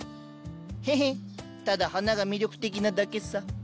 ヘヘッただ花が魅力的なだけさ。